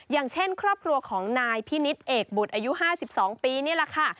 อย่างเช่นครอบครัวของนายพินิษฐ์เอกบุตรอายุ๕๒ปีนี่แหละค่ะ